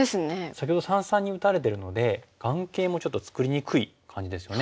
先ほど三々に打たれてるので眼形もちょっと作りにくい感じですよね。